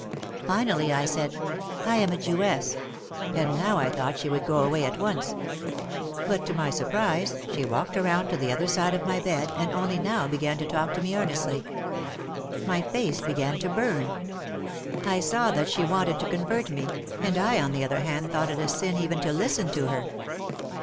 Finally I said, "I am a Jewess," and now I thought she would go away at once. But to my surprise she walked around to the other side of the bed and only now began to talk to me earnestly. My face began to burn. I saw that she wanted to convert me and I on the other hand thought it a sin even to listen to her.